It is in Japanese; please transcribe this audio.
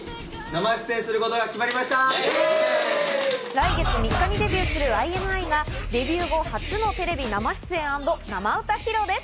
来月３日にデビューするＩＮＩがデビュー後、初のテレビ生出演＆生歌披露です。